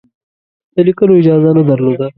د لیکلو اجازه نه درلوده.